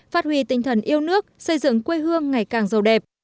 phát huy tinh thần yêu nước xây dựng quê hương ngày càng giàu đẹp